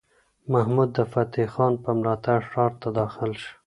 محمود د فتح خان په ملاتړ ښار ته داخل شو.